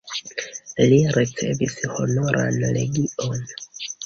Li ricevis Honoran legion.